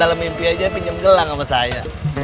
kalau mimpi aja pinjam gelang sama saya